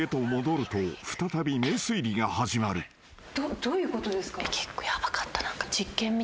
どういうことですか？